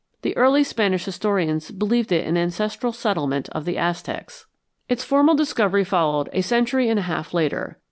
The early Spanish historians believed it an ancestral settlement of the Aztecs. Its formal discovery followed a century and a half later.